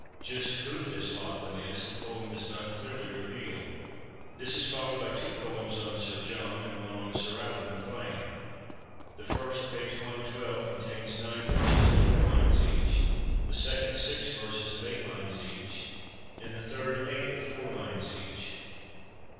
Just who this Lach lan is, the poem does not clearly reveal. This is followed by two poems on Sir John, and one on Sir Allan MacLean. The first (p. 112) contains nine verses of four lines each; the second, six verses of eight lines each ; and the third, eight of four lines each.